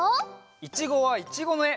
「いちごはいちご」のえ。